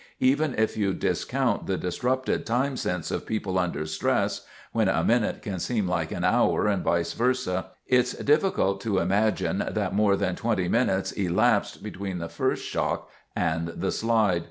Even if you discount the disrupted time sense of people under stress—when a minute can seem like an hour, and vice versa—it's difficult to imagine that more than 20 minutes elapsed between the first shock and the slide.